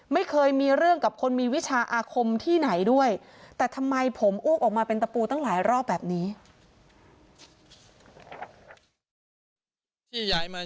ไม่เคยมีเรื่องกับคนมีวิชาอาคมที่ไหนด้วยแต่ทำไมผมอ้วกออกมาเป็นตะปูตั้งหลายรอบแบบนี้